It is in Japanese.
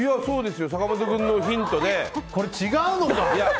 そうですよ、坂本さんのこれ、違うのか？